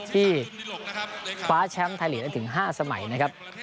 ที่คว้าแชมป์ไทยลีกได้ถึง๕สมัยนะครับ